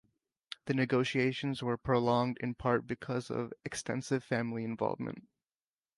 The negotiations were prolonged in part because of extensive family involvement.